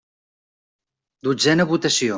Dotzena votació.